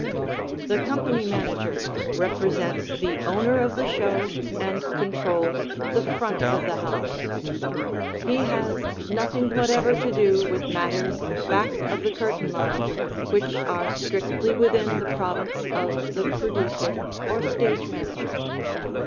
The Company Manager represents the owner of the show and controls the "front of the house." He has nothing whatever to do with matters back of the curtain line, which are strictly within the province of the producer or stage manager.